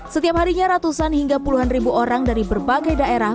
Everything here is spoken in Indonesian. setiap harinya ratusan hingga puluhan ribu orang dari berbagai daerah